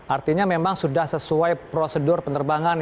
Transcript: artinya memang sudah sesuai prosedur penerbangan